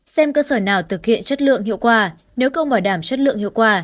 xem cơ sở nào thực hiện chất lượng hiệu quả nếu không bảo đảm chất lượng hiệu quả